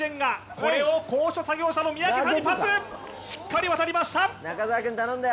これを高所作業車の三宅さんにパス、しっかり渡りました。